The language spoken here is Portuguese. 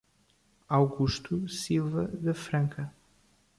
Augusto Silva de Franca